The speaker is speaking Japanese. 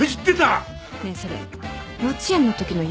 ねえそれ幼稚園のときの夢でしょ？